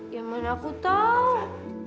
ya mana aku tahu